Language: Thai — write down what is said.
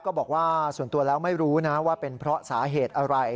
ก็บอกว่าส่วนตัวแล้วไม่รู้นะว่าเป็นเพราะสาเหตุอะไร